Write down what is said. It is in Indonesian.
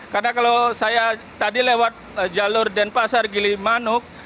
karena kalau saya tadi lewat jalur denpasar gilimanuk